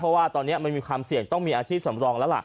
เพราะว่าตอนนี้มันมีความเสี่ยงต้องมีอาชีพสำรองแล้วล่ะ